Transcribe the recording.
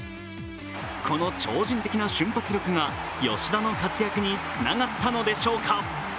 この超人的な瞬発力が吉田の活躍につながったのでしょうか。